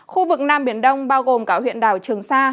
khu vực nam biển đông bao gồm cả huyện đảo trường sa